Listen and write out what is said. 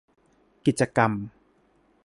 กิจกรรม